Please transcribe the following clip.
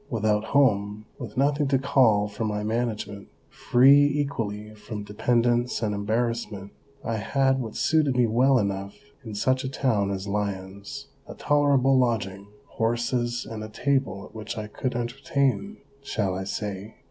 Without home, with nothing to call for my management, free equally from dependence and embarrassment, I had what suited me well enough in such a town as Lyons, a tolerable lodging, horses, and a table at which I could entertain — shall I say